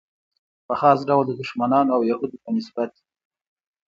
په خاص ډول د دښمنانو او یهودو په نسبت.